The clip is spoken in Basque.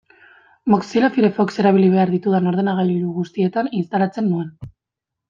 Mozilla Firefox erabili behar ditudan ordenagailu guztietan instalatzen nuen.